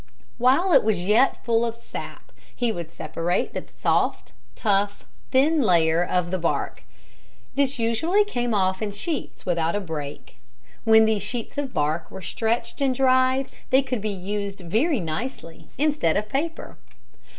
While it was yet full of sap he would separate the soft, tough, thin inner layer of the bark. This usually came off in sheets without a break. When these sheets of bark were stretched and dried they could be used very nicely instead of paper.